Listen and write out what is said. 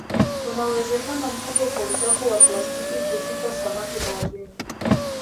Kuna uwezekano mkubwa kwa uchafu wa plastiki kuzika samaki baharini